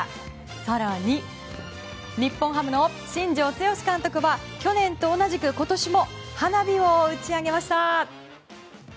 更に日本ハムの新庄剛志監督は去年と同じく今年も花火を打ち上げました。